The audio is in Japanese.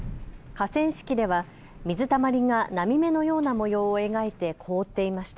河川敷では水たまりが波目のような模様を描いて凍っていました。